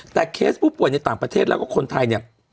แต่เคสผู้ป่วยในต่างประเทศแล้วก็คนไทยเนี่ย